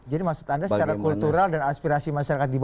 jadi maksud anda secara kultural dan aspirasi masyarakat